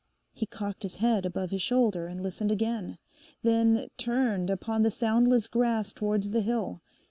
He cocked his head above his shoulder and listened again, then turned upon the soundless grass towards the hill.